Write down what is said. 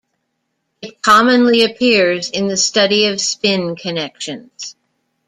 It commonly appears in the study of spin connections.